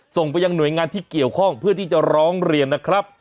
ส่งไปยังหน่วยงานที่เกี่ยวข้องเพื่อที่จะร้องเรียนนะครับ